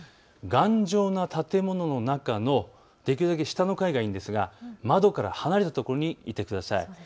頑丈な建物の中のできるだけ下の階、窓から離れた所にいてください。